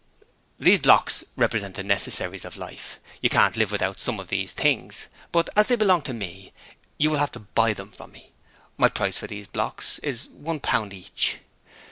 'These blocks represent the necessaries of life. You can't live without some of these things, but as they belong to me, you will have to buy them from me: my price for these blocks is one pound each.'